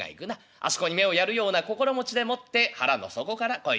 あそこに目をやるような心持ちでもって腹の底から声を出す。